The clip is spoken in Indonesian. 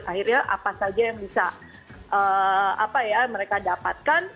akhirnya apa saja yang bisa mereka dapatkan